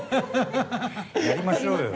やりましょうよ！